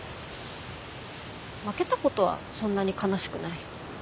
負けたことはそんなに悲しくない。